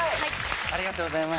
ありがとうございます。